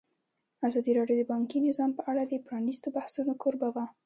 ازادي راډیو د بانکي نظام په اړه د پرانیستو بحثونو کوربه وه.